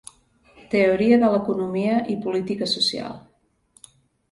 Teoria de l’economia i política social.